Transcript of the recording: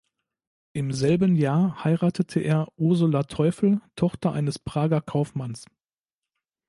Im selben Jahr heiratete er Ursula Teufel, Tochter eines Prager Kaufmanns.